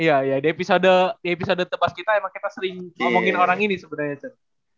iya iya di episode tebas kita emang kita sering ngomongin orang ini sebenernya